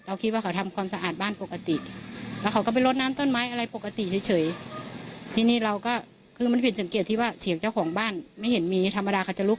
เราก็เห็นเขาเดินทำเรามองไปก็เห็นเขาเอากระถางน้ำมาสะอาด